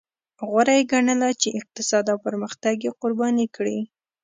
غوره یې ګڼله چې اقتصاد او پرمختګ یې قرباني کړي.